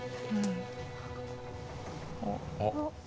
あっ。